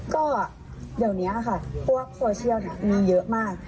ก็เดี๋ยวนี้ค่ะพวกโซเชียลมีเยอะมาก